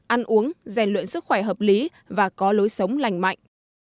ăn uống rèn luyện sức khỏe hợp lý và có lối sống lành mạnh